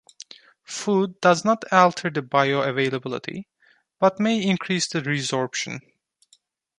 Food does not alter the bioavailability, but may increase the resorption.